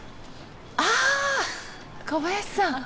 あ！小林さん？